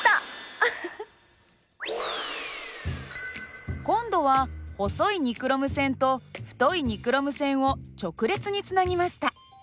アハハ。今度は細いニクロム線と太いニクロム線を直列につなぎました。